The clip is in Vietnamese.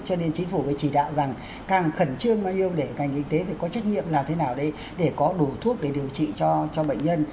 cho nên chính phủ phải chỉ đạo rằng càng khẩn trương bao nhiêu để ngành y tế phải có trách nhiệm làm thế nào đấy để có đủ thuốc để điều trị cho bệnh nhân